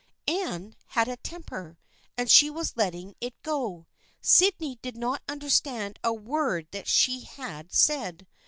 Anne had a temper, and she was letting it go. Sydney did not understand a word that she had said.